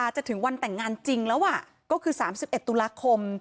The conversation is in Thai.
จะถึงวันแต่งงานจริงแล้วก็คือ๓๑ตุลาคม